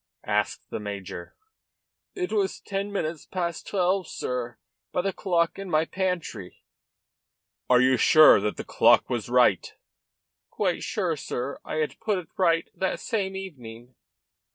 asked the major. "It was ten minutes past twelve, sir, by the clock in my pantry." "You are sure that the clock was right?" "Quite sure, sir; I had put it right that same evening."